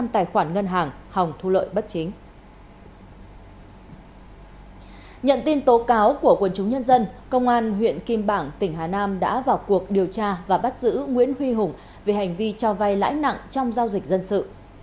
trong lúc của quân chúng nhân dân công an huyện kim bảng tỉnh hà nam đã vào cuộc điều tra và bắt giữ nguyễn huy hùng về hành vi cho vay lãi nặng trong giao dịch dân sự